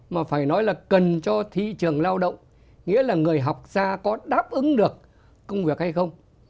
mà phải nói là cần cho thị trường lao động nghĩa là người học ra có đáp ứng được công việc hay không